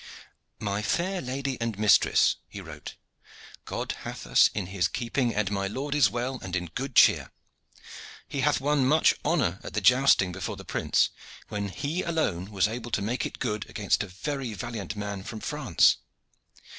"My fair lady and mistress," he wrote, "God hath had us in His keeping, and my lord is well and in good cheer. He hath won much honor at the jousting before the prince, when he alone was able to make it good against a very valiant man from France.